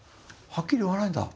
はっきり言わないんだ